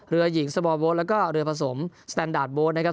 เรือหญิงสเมาเบาท์แล้วก็เดือนผสมสเตนไดร์ดเบาท์นะครับ